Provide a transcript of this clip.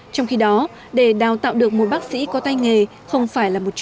trong khi đó để đào tạo được một bác sĩ bác sĩ sẽ phải tạo ra một bác sĩ